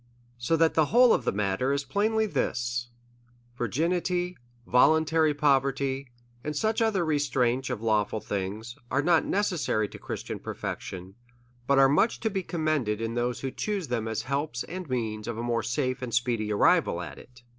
So that the whole of the matter is plainly this: Virginity, voluntary poverty, and such other restraints of lawful things, are not necessary to Christian perfection ; but are much to be commend ed in those, who choose them as helps and means of a more safe and speedy arrival at it.